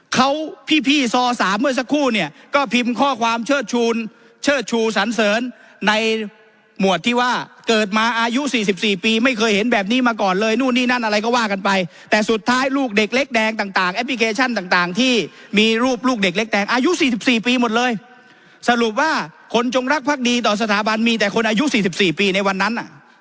เขาพี่พี่ซอสามเมื่อสักครู่เนี่ยก็พิมพ์ข้อความเชิดชูนเชิดชูสันเสริญในหมวดที่ว่าเกิดมาอายุ๔๔ปีไม่เคยเห็นแบบนี้มาก่อนเลยนู่นนี่นั่นอะไรก็ว่ากันไปแต่สุดท้ายลูกเด็กเล็กแดงต่างแอปพลิเคชันต่างที่มีรูปลูกเด็กเล็กแดงอายุ๔๔ปีหมดเลยสรุปว่าคนจงรักพักดีต่อสถาบันมีแต่คนอายุ๔๔ปีในวันนั้น